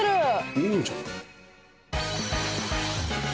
いいんじゃない？